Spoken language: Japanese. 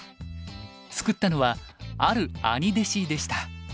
救ったのはある兄弟子でした。